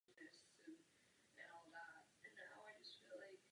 Téhož roku odjel do Francie.